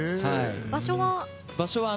場所は？